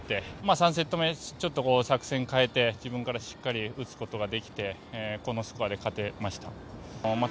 ３セット目、ちょっと作戦変えて、自分からしっかり打つことができて、このスコアで勝てました。